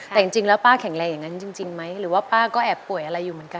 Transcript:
แต่จริงแล้วป้าแข็งแรงอย่างนั้นจริงไหมหรือว่าป้าก็แอบป่วยอะไรอยู่เหมือนกัน